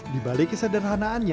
di balik kesederhanaannya